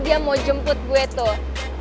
dia mau jemput gue tuh